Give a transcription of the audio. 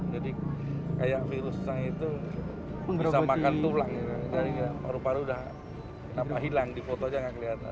jadi kayak virus itu bisa makan tulang jadi paru paru sudah hilang di fotonya nggak kelihatan